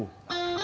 nah nah nah